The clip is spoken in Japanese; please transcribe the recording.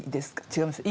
違います？